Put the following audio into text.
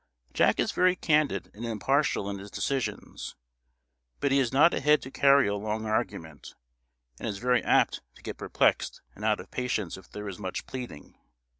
Jack is very candid and impartial in his decisions, but he has not a head to carry a long argument, and is very apt to get perplexed and out of patience if there is much pleading.